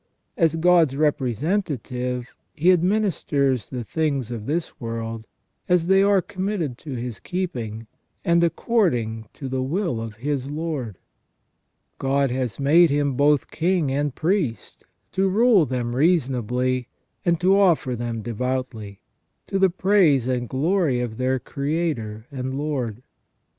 As God's representative he administers the things of this world, as they are committed to his keeping, and according to the will of his Lord. God has made him both king and priest, to rule them reasonably, and to offer them devoutly, to the praise and glory of their Creator and Lord.